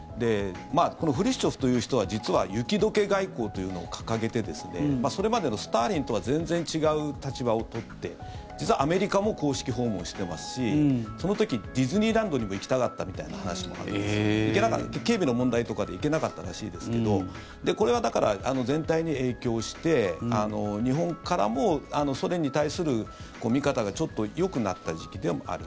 このフルシチョフという人は実は雪解け外交というのを掲げてそれまでのスターリンとは全然違う立場を取って実はアメリカも公式訪問していますしその時、ディズニーランドにも行きたがったみたいな話もありますが警備の問題とかで行けなかったらしいですけどこれはだから、全体に影響して日本からもソ連に対する見方がちょっとよくなった時期でもある。